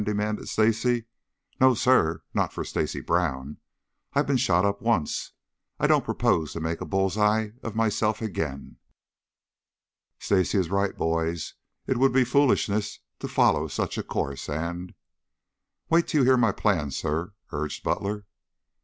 demanded Stacy. "No, sir, not for Stacy Brown! I've been shot up once. I don't propose to make a bull's eye of myself again." "Stacy is right, boys. It would be foolishness to follow such a course and " "Wait till you hear my plan, sir," urged Butler.